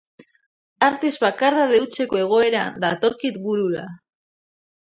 Artis bakardade hutseko egoeran datorkit burura.